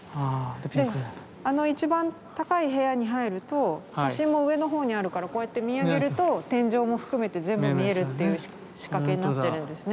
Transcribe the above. あの一番高い部屋に入ると写真も上の方にあるからこうやって見上げると天井も含めて全部見えるっていう仕掛けになってるんですね。